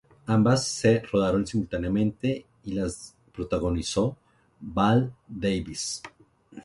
Ambas se rodaron simultáneamente y las protagonizó Val Davis.